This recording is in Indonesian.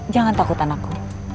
jangan takut anakku